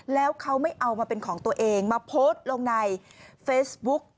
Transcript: แล้วเขาไม่เอามาเป็นของตัวเองมาโพสต์ลงในเฟซบุ๊ก